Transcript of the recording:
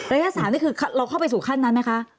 ระยะ๓นี่คือเราเข้าไปสู่ขั้นนั้นไหมคะ